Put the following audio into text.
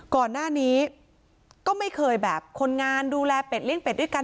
ก่อนหน้านี้ก็ไม่เคยแบบคนงานดูแลเป็ดเลี้เป็ดด้วยกัน